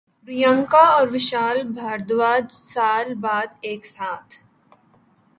پریانکا اور وشال بھردواج سال بعد ایک ساتھ